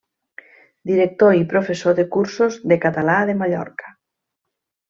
Director i professor de cursos de català de Mallorca.